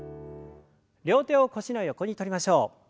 両手を腰の横にとりましょう。